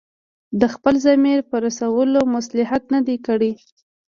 د خپل ضمیر په رسولو مصلحت نه دی کړی.